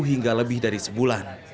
hingga lebih dari sebulan